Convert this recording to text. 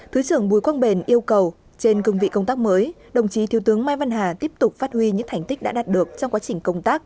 thứ trưởng bùi quang bền yêu cầu trên cương vị công tác mới đồng chí thiếu tướng mai văn hà tiếp tục phát huy những thành tích đã đạt được trong quá trình công tác